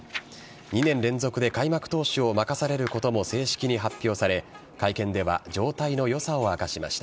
２年連続で開幕投手を任されることも正式に発表され会見では状態の良さを明かしました。